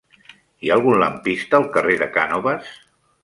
Hi ha algun lampista al carrer de Cànoves?